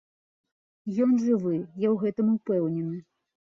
Ён жывы, я ў гэтым упэўнены.